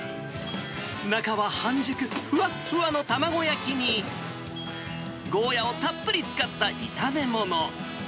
中は半熟、ふわっふわの卵焼きに、ゴーヤをたっぷり使った炒め物。